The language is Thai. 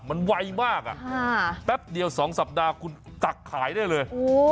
มันไวมากแป๊บเดียว๒สัปดาห์คุณตักขายได้เลย